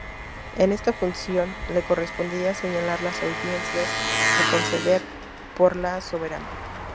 En esta función le correspondía señalar las audiencias a conceder por la soberana.